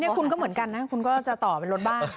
นี่คุณก็เหมือนกันนะคุณก็จะต่อเป็นรถบ้าง